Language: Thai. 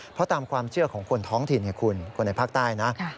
เพราะตามความเชื่อของคนท้องถิ่นคุณคนในภาคใต้นะ